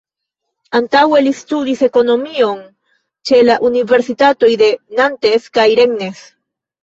Antaŭe li studis ekonomion ĉe la universitatoj de Nantes kaj Rennes.